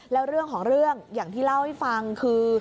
แล้วเรื่องของเรื่องอย่างที่เล่าให้ฟังคือ